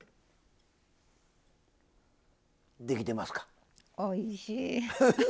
できてますか？